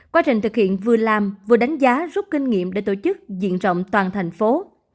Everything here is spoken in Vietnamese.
quá trình thực hiện vừa làm vừa đánh giá rút kinh nghiệm để tổ chức diện rộng toàn thành phố